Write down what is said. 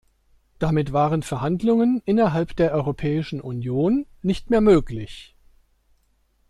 Damit waren Verhandlungen innerhalb der Europäischen Union nicht mehr möglich.